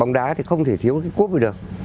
bóng đá thì không thể thiếu cái cup gì được